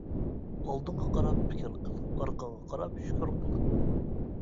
ئالدىڭغا قاراپ پىكىر قىل، ئارقاڭغا قاراپ شۈكۈر قىل.